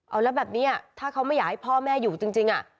เอาแล้วแบบนี้ถ้าเขาไม่อยากให้พ่อแม่อยู่จริง